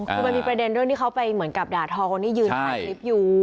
คือมันมีประเด็นเรื่องที่เขาไปเหมือนกับด่าทอคนที่ยืนถ่ายคลิปอยู่